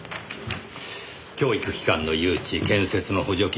教育機関の誘致建設の補助金。